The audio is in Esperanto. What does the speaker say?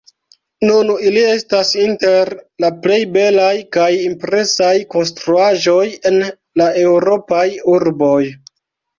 Nun ili estas inter la plej belaj kaj impresaj konstruaĵoj en la Eŭropaj urboj.